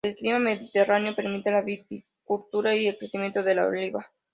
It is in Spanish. El clima mediterráneo permite la viticultura y el crecimiento de la oliva.